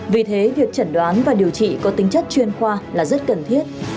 vì thế việc chẩn đoán và điều trị có tính chất chuyên khoa là rất cần thiết